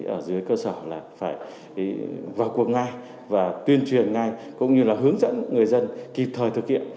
ở dưới cơ sở là phải vào cuộc ngay và tuyên truyền ngay cũng như là hướng dẫn người dân kịp thời thực hiện